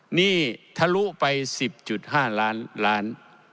หนี้ทะลุไป๑๐๕ล้าน